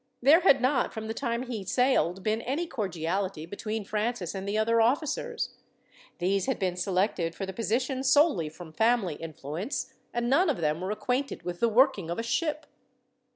There had not, from the time he sailed, been any cordiality between Francis and the other officers. These had been selected for the position solely from family influence, and none of them were acquainted with the working of a ship.